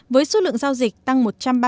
với số lượng giao dịch tăng